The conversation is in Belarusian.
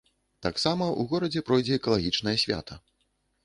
Таксама ў горадзе пройдзе экалагічнае свята.